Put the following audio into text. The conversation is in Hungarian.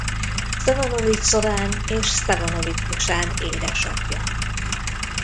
Sztevanovity Zorán és Sztevanovity Dusán édesapja.